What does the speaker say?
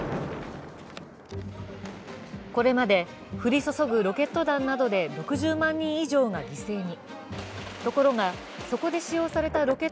これまで降り注ぐロケット弾などで６０万人以上が犠牲に。